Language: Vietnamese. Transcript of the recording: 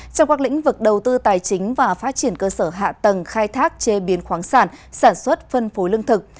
trong các lĩnh vực đầu tư tài chính và phát triển cơ sở hạ tầng khai thác chế biến khoáng sản sản xuất phân phối lương thực